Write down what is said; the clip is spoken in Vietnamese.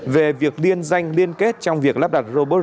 về việc liên danh liên kết trong việc lắp đặt robot